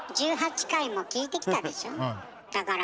１８回も聞いてきたでしょ。